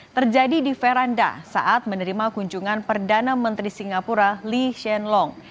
terjadi di veranda saat menerima kunjungan perdana menteri singapura lee hsien long